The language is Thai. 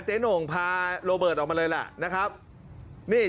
เจ้โน่งพาโรเบิร์ตออกมาเลยแล้ว